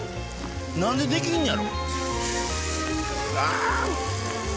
何でできんのやろ。